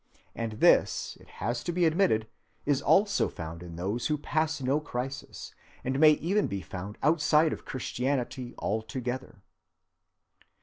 And this, it has to be admitted, is also found in those who pass no crisis, and may even be found outside of Christianity altogether.